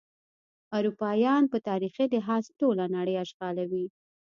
اروپایان په تاریخي لحاظ ټوله نړۍ اشغالوي.